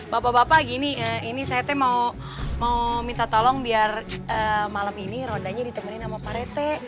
bapak bapak gini ini saya teh mau minta tolong biar malam ini rodanya ditemenin sama pak rete